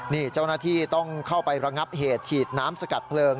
นี่เจ้าหน้าที่ต้องเข้าไประงับเหตุฉีดน้ำสกัดเพลิง